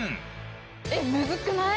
えっムズくない？